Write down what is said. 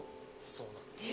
そうなんです。